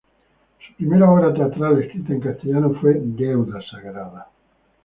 Su primera obra teatral escrita en castellano fue "Deuda sagrada".